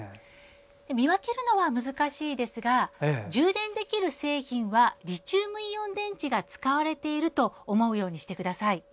見分けるのは難しいですが充電できる製品はリチウムイオン電池が使われていると思うようにしてください。